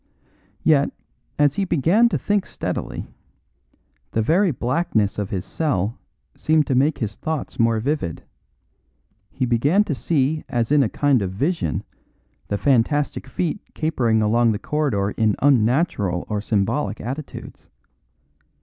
Yet, as he began to think steadily, the very blackness of his cell seemed to make his thoughts more vivid; he began to see as in a kind of vision the fantastic feet capering along the corridor in unnatural or symbolic attitudes.